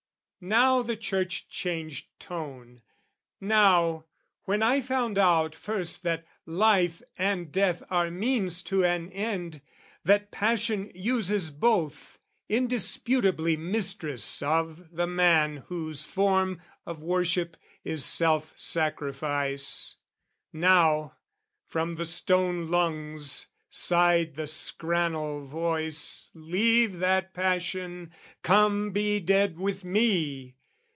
Now the church changed tone Now, when I found out first that life and death Are means to an end, that passion uses both, Indisputably mistress of the man Whose form of worship is self sacrifice Now, from the stone lungs sighed the scrannel voice "Leave that passion, come be dead with me!"